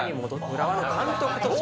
浦和の監督として。